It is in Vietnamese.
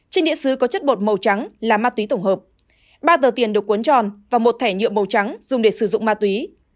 trên địa xứ có chất bột màu trắng là ma túy tổng hợp ba tờ tiền được cuốn tròn và một thẻ nhựa màu trắng dùng để sử dụng ma túy